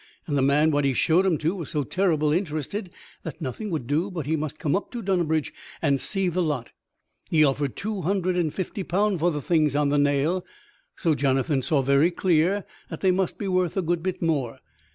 And the man what he showed 'em to was so terrible interested that nothing would do but he must come up to Dunnabridge and see the lot. He offered two hundred and fifty pound for the things on the nail; so Jonathan saw very clear that they must be worth a good bit more.